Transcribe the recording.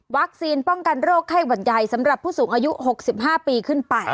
ป้องกันโรคไข้หวัดใหญ่สำหรับผู้สูงอายุ๖๕ปีขึ้นไป